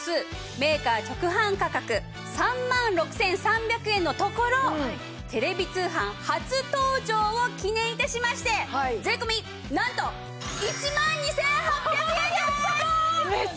メーカー直販価格３万６３００円のところテレビ通販初登場を記念致しまして税込なんと１万２８００円です！